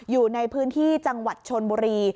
อยู่ในพื้นที่จังหวัดชนบุรี